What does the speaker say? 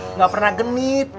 enggak pernah genit